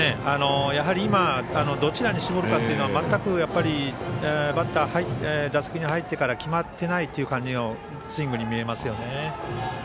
今、どちらに絞るか全くバッター、打席に入ってから決まっていないという感じのスイングになりますよね。